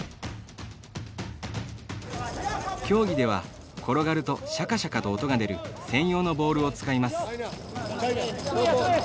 競技では、転がるとシャカシャカと音が出る専用のボールを使います。